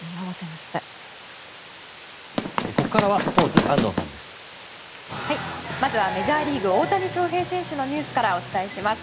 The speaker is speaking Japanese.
まずはメジャーリーグ大谷翔平選手のニュースからお伝えします。